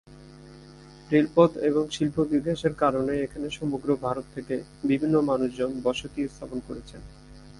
রেলপথ এবং শিল্প বিকাশের কারণে এখানে সমগ্র ভারত থেকে বিভিন্ন মানুষজন বসতি স্থাপন করেছেন।